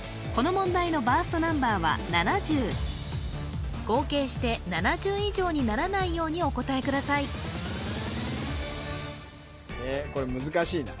この問題のバーストナンバーは７０合計して７０以上にならないようにお答えください